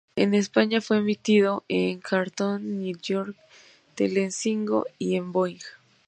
En España fue emitido en Cartoon Network, Telecinco y en Boing.